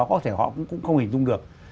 có thể họ cũng không hình dung được